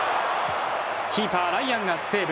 キーパー、ライアンがセーブ。